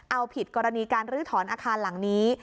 เอาผิดกรณีการลื้อถอนอาคารหลังนี้